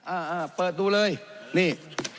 อ่าเปิดดูเลยนี่